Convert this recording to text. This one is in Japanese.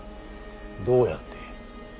どうやって。